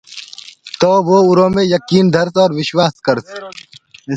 تو وو اُرو مي جڪيٚن ڌرس وشواس ڪرس۔